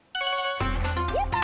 やった！